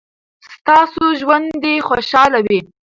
ستاسو ژوند دې خوشحاله وي.